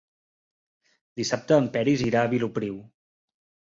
Dissabte en Peris irà a Vilopriu.